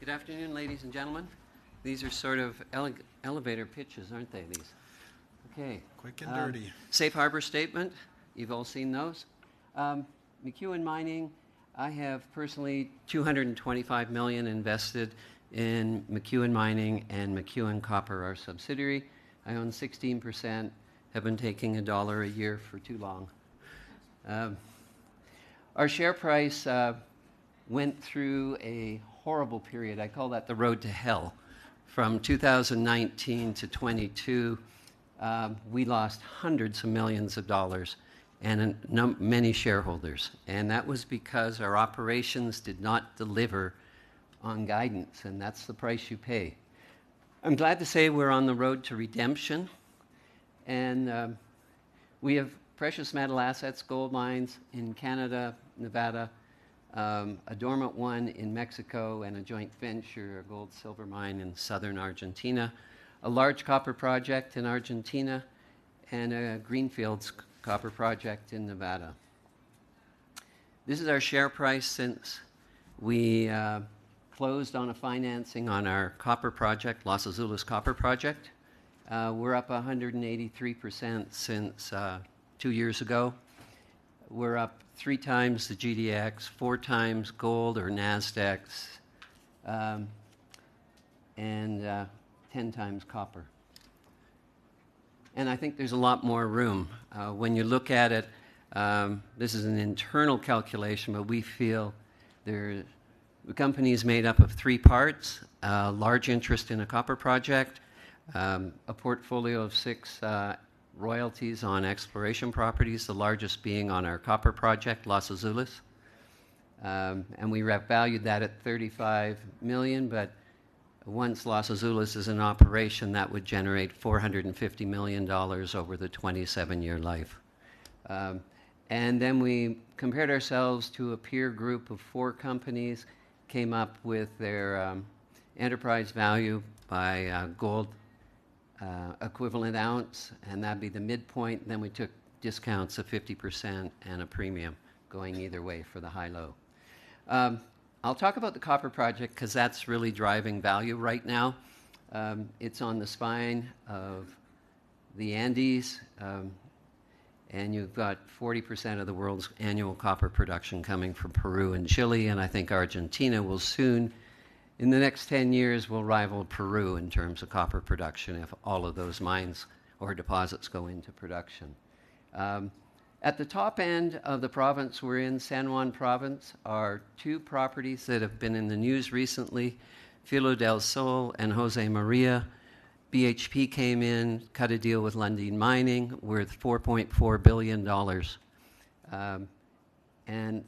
Good afternoon, ladies and gentlemen. These are sort of elevator pitches, aren't they, these? Okay. Quick and dirty. Safe harbor statement, you've all seen those. McEwen Mining, I have personally $225 million invested in McEwen Mining and McEwen Copper, our subsidiary. I own 16%, have been taking $1 a year for too long. Our share price went through a horrible period. I call that the road to hell. From 2019 to 2022, we lost hundreds of millions of dollars and many shareholders, and that was because our operations did not deliver on guidance, and that's the price you pay. I'm glad to say we're on the road to redemption, and we have precious metal assets, gold mines in Canada, Nevada, a dormant one in Mexico, and a joint venture, a gold-silver mine in southern Argentina, a large copper project in Argentina, and a greenfields copper project in Nevada. This is our share price since we closed on a financing on our copper project, Los Azules copper project. We're up 183% since two years ago. We're up three times the GDX, four times gold or Nasdaq's, and ten times copper. I think there's a lot more room. When you look at it, this is an internal calculation, but we feel. The company is made up of three parts: large interest in a copper project, a portfolio of six royalties on exploration properties, the largest being on our copper project, Los Azules. And we have valued that at $35 million, but once Los Azules is in operation, that would generate $450 million over the 27-year life. And then we compared ourselves to a peer group of four companies, came up with their enterprise value by gold equivalent ounce, and that'd be the midpoint. Then we took discounts of 50% and a premium going either way for the high-low. I'll talk about the copper project 'cause that's really driving value right now. It's on the spine of the Andes, and you've got 40% of the world's annual copper production coming from Peru and Chile, and I think Argentina will soon, in the next ten years, will rival Peru in terms of copper production if all of those mines or deposits go into production. At the top end of the province we're in, San Juan Province, are two properties that have been in the news recently, Filo del Sol and Josemaria. BHP came in, cut a deal with Lundin Mining worth $4.4 billion. And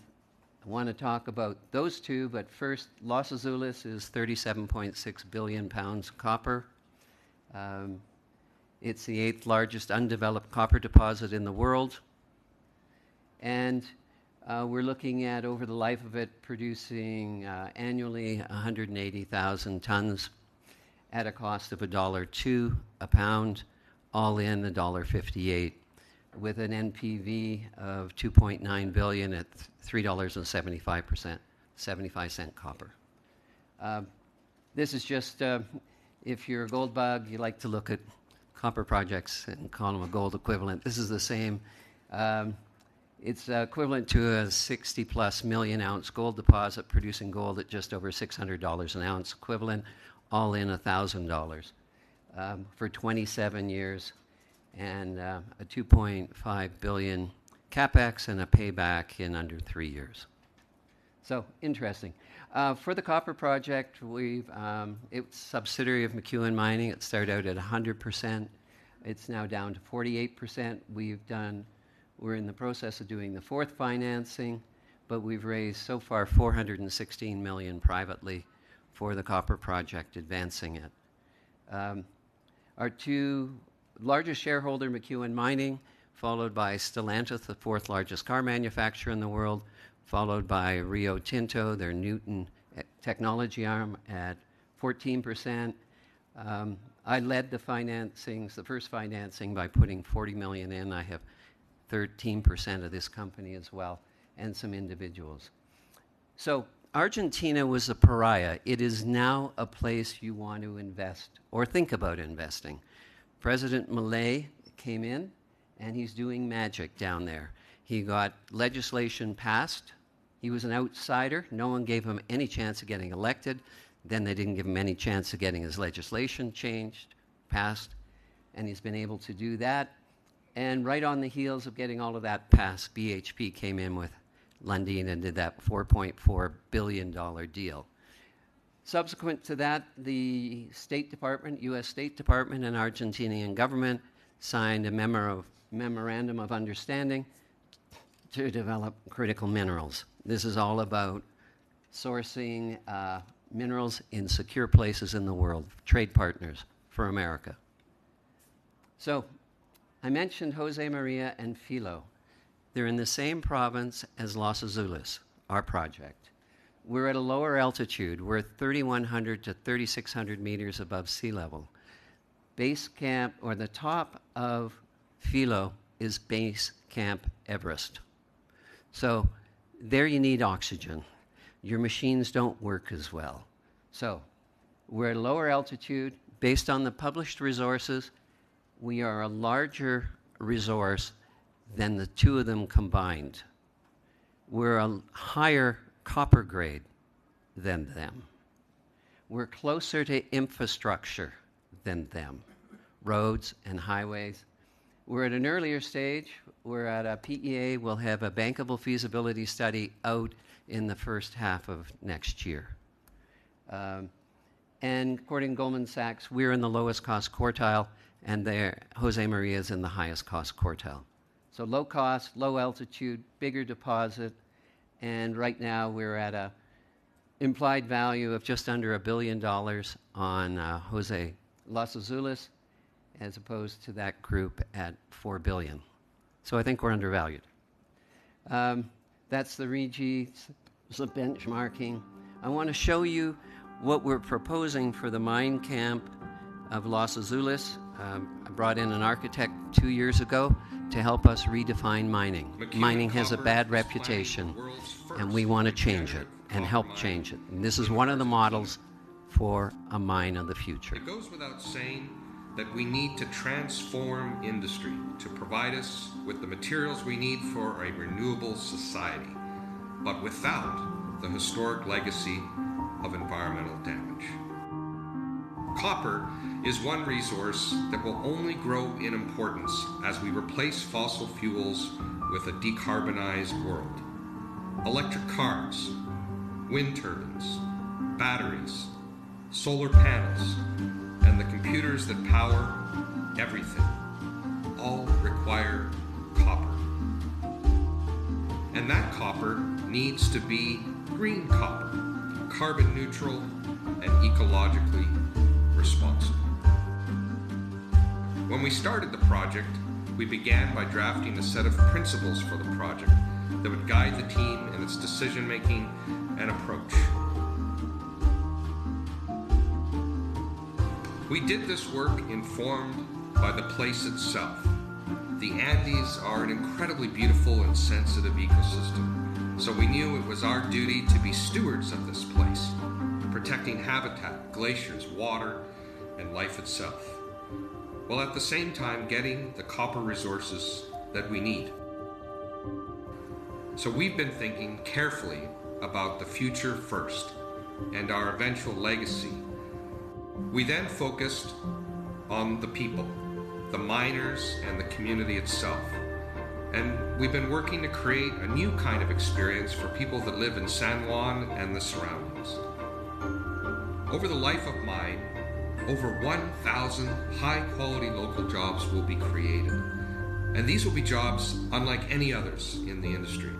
I wanna talk about those two, but first, Los Azules is 37.6 billion pounds copper. It's the eighth-largest undeveloped copper deposit in the world, and we're looking at, over the life of it, producing annually 180,000 tons at a cost of $1.02 a pound, all in $1.58, with an NPV of $2.9 billion at $3.75 copper. This is just... If you're a gold bug, you like to look at copper projects and call them a gold equivalent. This is the same. It's equivalent to a 60+ million-ounce gold deposit producing gold at just over $600 an ounce equivalent, all-in $1,000, for 27 years, and a $2.5 billion CapEx and a payback in under three years. So interesting. For the copper project, we've... It's a subsidiary of McEwen Mining. It started out at 100%. It's now down to 48%. We're in the process of doing the fourth financing, but we've raised, so far, $416 million privately for the copper project, advancing it. Our two largest shareholder, McEwen Mining, followed by Stellantis, the fourth-largest car manufacturer in the world, followed by Rio Tinto, their Nuton technology arm at 14%. I led the financings, the first financing, by putting $40 million in. I have 13% of this company as well, and some individuals. So Argentina was a pariah. It is now a place you want to invest or think about investing. President Milei came in, and he's doing magic down there. He got legislation passed. He was an outsider. No one gave him any chance of getting elected. Then they didn't give him any chance of getting his legislation changed, passed, and he's been able to do that. And right on the heels of getting all of that passed, BHP came in with Lundin and did that $4.4 billion deal. Subsequent to that, the State Department, U.S. State Department and Argentine government signed a memo of... memorandum of understanding to develop critical minerals. This is all about sourcing minerals in secure places in the world, trade partners for America. So I mentioned Josemaria and Filo del Sol. They're in the same province as Los Azules, our project. We're at a lower altitude. We're at 3,100 to 3,600 meters above sea level. Base camp, or the top of Filo is Base Camp Everest. So there you need oxygen. Your machines don't work as well. So we're at a lower altitude. Based on the published resources, we are a larger resource than the two of them combined. We're a higher copper grade than them. We're closer to infrastructure than them, roads and highways. We're at an earlier stage. We're at a PEA. We'll have a bankable feasibility study out in the first half of next year. And according to Goldman Sachs, we're in the lowest cost quartile, and their Josemaria is in the highest cost quartile. So low cost, low altitude, bigger deposit, and right now we're at an implied value of just under $1 billion on Josemaria, Los Azules, as opposed to that group at $4 billion. So I think we're undervalued. That's the RIGI, the benchmarking. I want to show you what we're proposing for the mine camp of Los Azules. I brought in an architect two years ago to help us redefine mining. Mining has a bad reputation, and we want to change it and help change it. And this is one of the models for a mine of the future. It goes without saying that we need to transform industry to provide us with the materials we need for a renewable society, but without the historic legacy of environmental damage. Copper is one resource that will only grow in importance as we replace fossil fuels with a decarbonized world. Electric cars, wind turbines, batteries, solar panels, and the computers that power everything all require copper, and that copper needs to be green copper, carbon neutral, and ecologically responsible. When we started the project, we began by drafting a set of principles for the project that would guide the team in its decision-making and approach. We did this work informed by the place itself. The Andes are an incredibly beautiful and sensitive ecosystem, so we knew it was our duty to be stewards of this place, protecting habitat, glaciers, water, and life itself, while at the same time getting the copper resources that we need, so we've been thinking carefully about the future first and our eventual legacy. We then focused on the people, the miners, and the community itself, and we've been working to create a new kind of experience for people that live in San Juan and the surroundings. Over the life of mine, over 1,000 high-quality local jobs will be created, and these will be jobs unlike any others in the industry.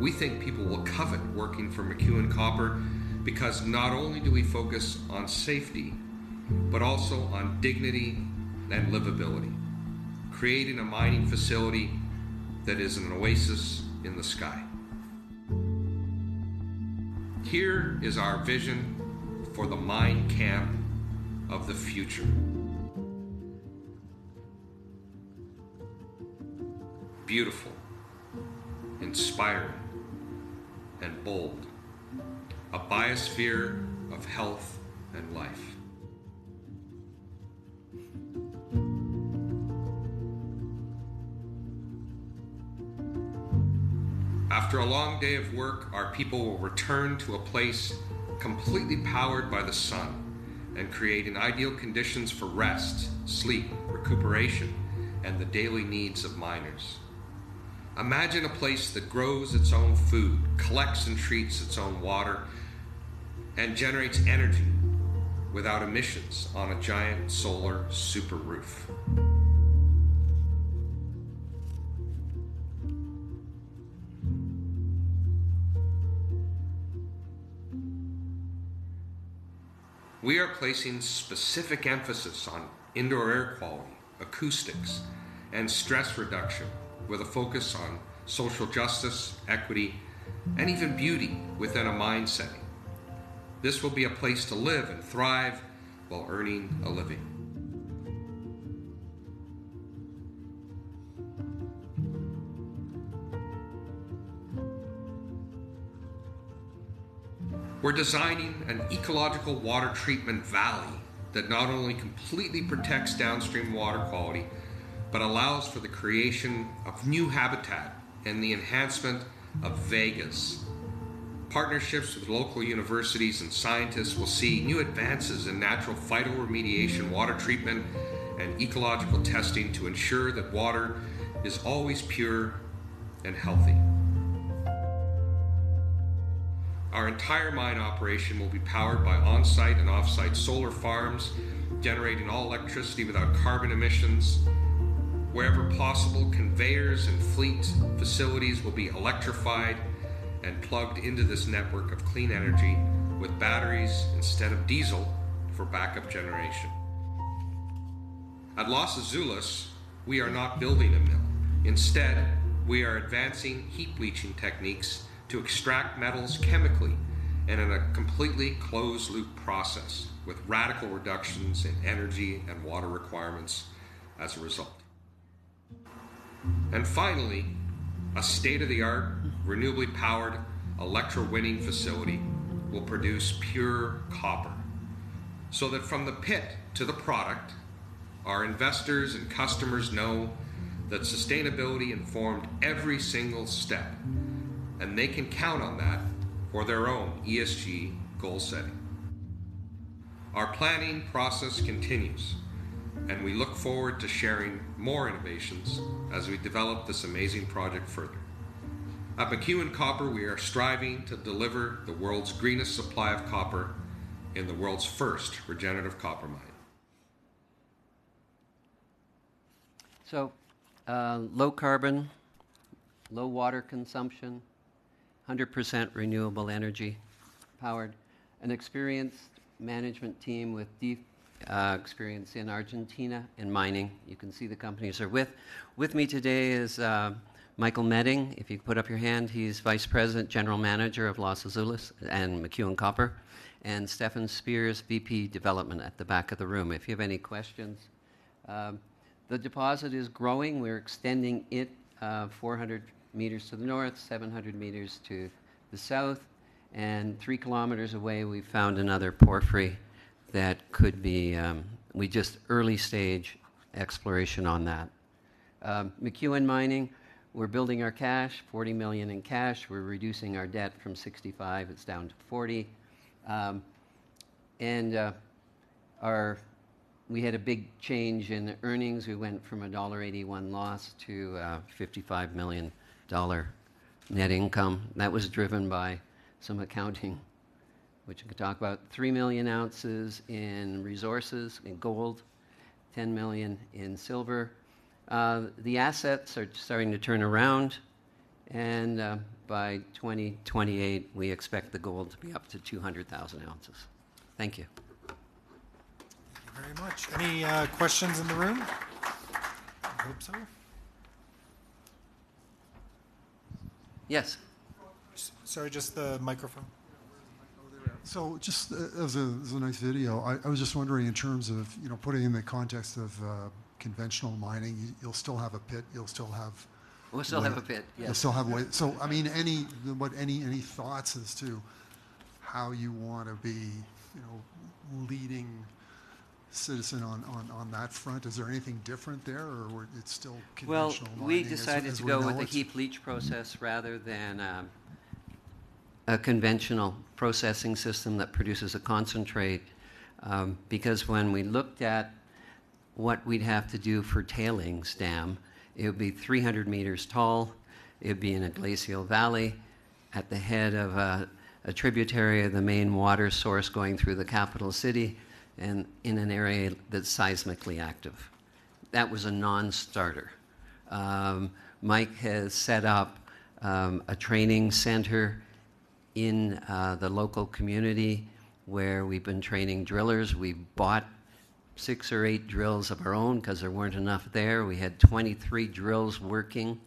We think people will covet working for McEwen Copper because not only do we focus on safety, but also on dignity and livability, creating a mining facility that is an oasis in the sky. Here is our vision for the mine camp of the future. Beautiful, inspiring, and bold, a biosphere of health and life. After a long day of work, our people will return to a place completely powered by the sun and creating ideal conditions for rest, sleep, recuperation, and the daily needs of miners. Imagine a place that grows its own food, collects and treats its own water, and generates energy without emissions on a giant solar super roof. We are placing specific emphasis on indoor air quality, acoustics, and stress reduction, with a focus on social justice, equity, and even beauty within a mine setting. This will be a place to live and thrive while earning a living. We're designing an ecological water treatment valley that not only completely protects downstream water quality, but allows for the creation of new habitat and the enhancement of vegas. Partnerships with local universities and scientists will see new advances in natural phytoremediation, water treatment, and ecological testing to ensure that water is always pure and healthy. Our entire mine operation will be powered by on-site and off-site solar farms, generating all electricity without carbon emissions. Wherever possible, conveyors and fleet facilities will be electrified and plugged into this network of clean energy with batteries instead of diesel for backup generation. At Los Azules, we are not building a mill. Instead, we are advancing heap leaching techniques to extract metals chemically and in a completely closed-loop process, with radical reductions in energy and water requirements as a result, and finally, a state-of-the-art, renewably powered electrowinning facility will produce pure copper, so that from the pit to the product, our investors and customers know that sustainability informed every single step, and they can count on that for their own ESG goal-setting. Our planning process continues, and we look forward to sharing more innovations as we develop this amazing project further. At McEwen Copper, we are striving to deliver the world's greenest supply of copper in the world's first regenerative copper mine. Low carbon, low water consumption, 100% renewable energy-powered, an experienced management team with deep experience in Argentina, in mining. You can see the companies they're with. With me today is Michael Meding. If you'd put up your hand, he's Vice President, General Manager of Los Azules and McEwen Copper, and Stefan Spears, VP Development, at the back of the room, if you have any questions. The deposit is growing. We're extending it, 400 meters to the north, 700 meters to the south, and 3 kilometers away, we've found another porphyry that could be. We just early-stage exploration on that. McEwen Mining, we're building our cash, $40 million in cash. We're reducing our debt from $65 million, it's down to $40 million. We had a big change in earnings. We went from a $1.81 loss to a $55 million net income. That was driven by some accounting, which we could talk about. 3 million ounces in resources, in gold, 10 million in silver. The assets are starting to turn around, and by 2028, we expect the gold to be up to 200,000 ounces. Thank you. Thank you very much. Any questions in the room? I hope so. Yes. Sorry, just the microphone. Yeah, where's the microphone? Oh, there we are. So just as it was a nice video, I was just wondering, in terms of, you know, putting it in the context of conventional mining, you, you'll still have a pit, you'll still have- We'll still have a pit, yes. You'll still have a way... So I mean, any thoughts as to how you wanna be, you know, leading citizen on that front? Is there anything different there, or it's still conventional mining, as we know it? We decided to go with the heap leach process.... rather than a conventional processing system that produces a concentrate. Because when we looked at what we'd have to do for tailings dam, it would be 300 meters tall, it'd be in a glacial valley, at the head of a tributary of the main water source going through the capital city, and in an area that's seismically active. That was a non-starter. Mike has set up a training center in the local community, where we've been training drillers. We've bought six or eight drills of our own, 'cause there weren't enough there. We had 23 drills working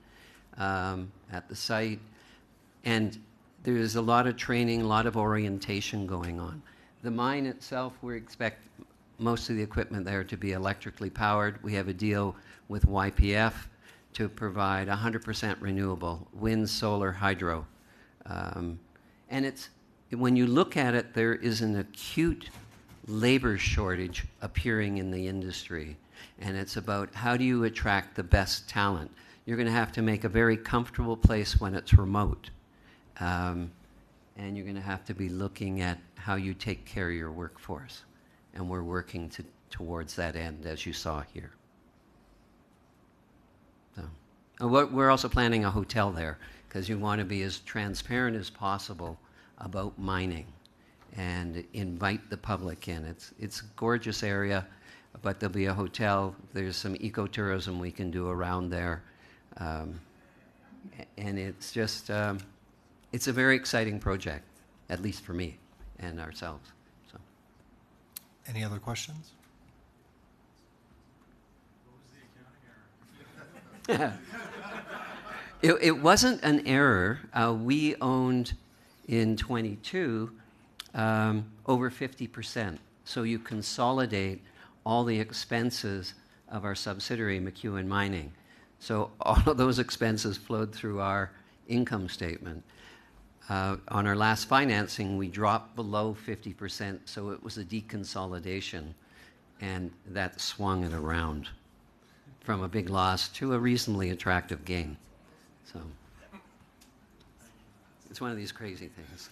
at the site, and there's a lot of training, a lot of orientation going on. The mine itself, we expect most of the equipment there to be electrically powered. We have a deal with YPF to provide 100% renewable wind, solar, hydro. When you look at it, there is an acute labor shortage appearing in the industry, and it's about how do you attract the best talent? You're gonna have to make a very comfortable place when it's remote, and you're gonna have to be looking at how you take care of your workforce, and we're working towards that end, as you saw here, and we're also planning a hotel there, 'cause you wanna be as transparent as possible about mining, and invite the public in. It's a gorgeous area, but there'll be a hotel. There's some eco-tourism we can do around there, and it's just a very exciting project, at least for me and ourselves, so. Any other questions? What was the accounting error? It wasn't an error. We owned, in 2022, over 50%, so you consolidate all the expenses of our subsidiary, McEwen Mining. So all of those expenses flowed through our income statement. On our last financing, we dropped below 50%, so it was a deconsolidation, and that swung it around from a big loss to a reasonably attractive gain. So... It's one of these crazy things.